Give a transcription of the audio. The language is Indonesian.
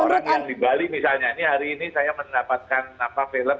orang yang di bali misalnya ini hari ini saya mendapatkan film